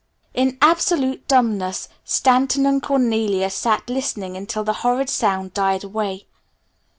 In absolute dumbness Stanton and Cornelia sat listening until the horrid sound died away.